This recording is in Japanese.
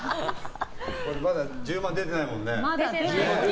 まだ１０万出てないもんね。